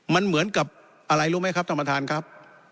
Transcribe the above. มันเหมือนกับอะไรรู้ไหมครับท่านประธานครับ